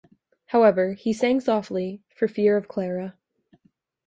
However, he sang softly, for fear of Clara.